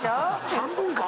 半分か。